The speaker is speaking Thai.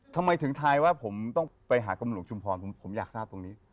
ทำไมถึงทายว่าผมต้องไปหากำหลวงชุมพรผมอยากทราบตรงนี้